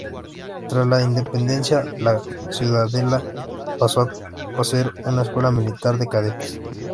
Tras la independencia, la ciudadela pasó a ser una escuela militar de cadetes.